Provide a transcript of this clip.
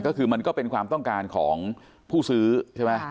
ก็คือมันก็เป็นความต้องการของผู้ซื้อใช่ไหม